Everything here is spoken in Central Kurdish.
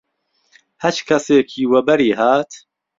هەچ کهسێکی وهبهری هات